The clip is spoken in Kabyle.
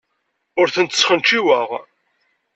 Ur tent-sxenciweɣ.